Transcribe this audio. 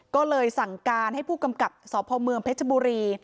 ก็เลยสั่งการให้ผู้กำกัดสพเผชฌบุรี